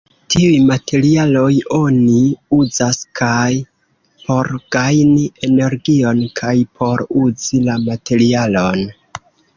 Tiuj materialoj oni uzas kaj por gajni energion kaj por uzi la materialon.